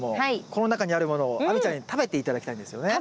この中にあるものを亜美ちゃんに食べて頂きたいんですよね。